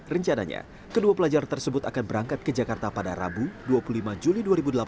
rencananya kedua pelajar tersebut akan berangkat ke jakarta pada rabu dua puluh lima juli dua ribu delapan belas